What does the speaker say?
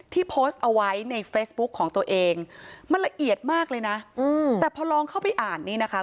โพสต์เอาไว้ในเฟซบุ๊คของตัวเองมันละเอียดมากเลยนะแต่พอลองเข้าไปอ่านนี่นะคะ